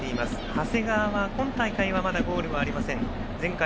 長谷川はまだ今大会ゴールはありません。